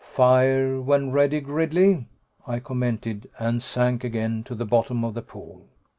"Fire when ready, Gridley," I commented, and sank again to the bottom of the pool.